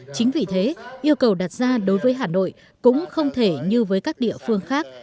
chính vì thế yêu cầu đặt ra đối với hà nội cũng không thể như với các địa phương khác